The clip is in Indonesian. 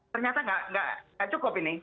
ternyata tidak cukup ini